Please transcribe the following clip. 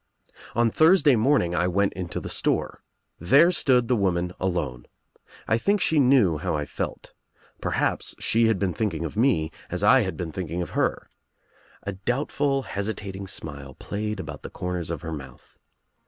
"On Thursday morning I went into the store. There iitood the woman alone. I think she knew how I felt, EPcrhaps she had been thinking of me as I had been 38 THE TRIUMPH OF THE EGG thinking of her. A doubtful hesitating smile played about the corners of her mouth.